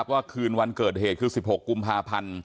ว่าคืนวันเกิดเหตุคือ๑๖กภ